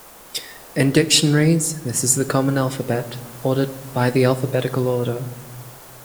In dictionaries, this is the common alphabet, ordered by the alphabetical order.